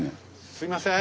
すいません！